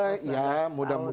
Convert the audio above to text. dan sehat selalu dan selamat